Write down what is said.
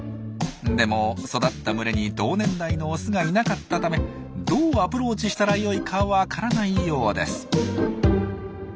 でも育った群れに同年代のオスがいなかったためどうアプローチしたらよいか分からないようです。